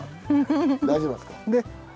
大丈夫なんですか。